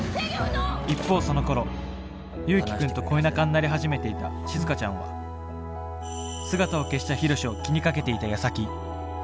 一方そのころ祐樹君と恋仲になり始めていたしずかちゃんは姿を消したヒロシを気にかけていたやさき。